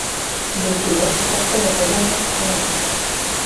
Desigur, această metodă nu este nouă.